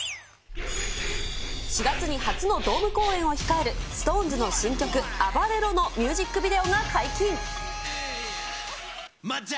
４月に初のドーム公演を控えるＳｉｘＴＯＮＥＳの新曲、アバレロのミュージックビデオが解禁。